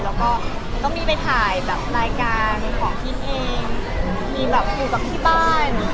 แล้วก็ก็มีไปถ่ายรายการของที่เองอยู่กับที่บ้าน